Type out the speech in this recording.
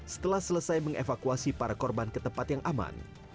setelah selesai mengevakuasi para korban ke tempat yang aman